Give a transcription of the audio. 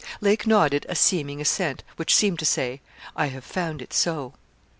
Lake nodded a seeming assent, which seemed to say, 'I have found it so.'